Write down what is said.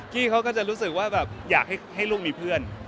กี้เขาก็จะรู้สึกว่าแบบอยากให้ลูกมีเพื่อน